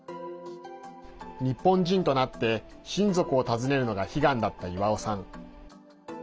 日本人となって親族を訪ねるのが悲願だったイワオさん。